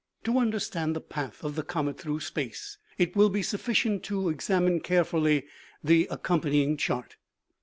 To understand the path of the comet through space, it will be sufficient to examine carefully the accompanying chart.